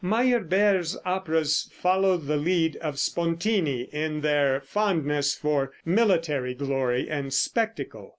Meyerbeer's operas follow the lead of Spontini in their fondness for military glory and spectacle.